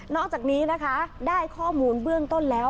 อกจากนี้นะคะได้ข้อมูลเบื้องต้นแล้ว